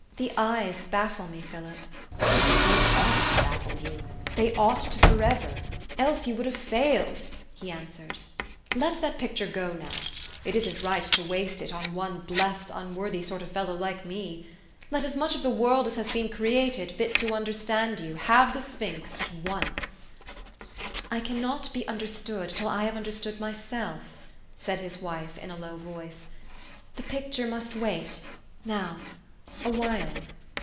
"The eyes baffle me, Philip." " They ought to baffle you ; they ought to forever : else you would have failed," he answered. "Let that picture go now. It isn't right to waste it on one blessed, unworthy sort of fellow like me. Let as much of the world as has been created fit to understand you, have the sphinx at once." 1 ' I cannot be understood till I have understood myself," said his wife in a low voice. " The picture must wait now a while